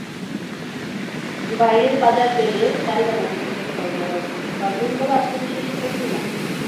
বাইরের বাজার পেলে চাহিদামতো পোশাক সরবরাহ করতে পারবেন বলে আত্মবিশ্বাসী তসলিমা।